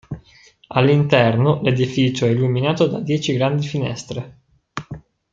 All'interno, l'edificio è illuminato da dieci grandi finestre.